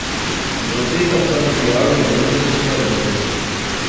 Você está ficando pior lambendo do que mordendo.